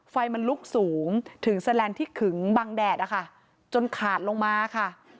ไฟมันลุกสูงถึงแสลนด์ที่ขึงบังแดดนะคะจนขาดลงมาค่ะ